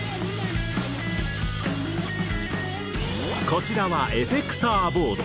こちらはエフェクターボード。